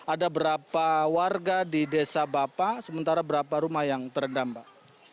ada berapa warga di desa bapak sementara berapa rumah yang terendam pak